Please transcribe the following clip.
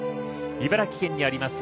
茨城県にあります